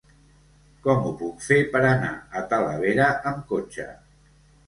Com ho puc fer per anar a Talavera amb cotxe?